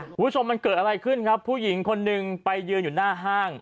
คุณผู้ชมมันเกิดอะไรขึ้นครับผู้หญิงคนหนึ่งไปยืนอยู่หน้าห้าง